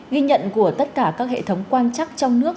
ghi nhận của tất cả các hệ thống quan chắc trong nước